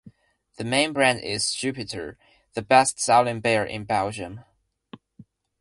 The main brand is Jupiler, the best selling beer in Belgium.